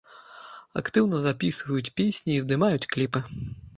Актыўна запісваюць песні і здымаюць кліпы.